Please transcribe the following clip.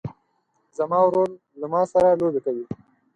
زما ورور له ما سره لوبې کوي.